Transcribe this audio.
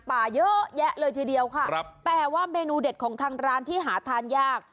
ป่าเยอะแยะเลยทีเดียวค่ะครับแต่ว่าเมนูเด็ดของทางร้านที่หาทานยาก